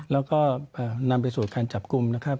แล้วก็นำไปสู่การจับกลุ่มนะครับ